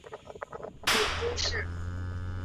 母朱氏。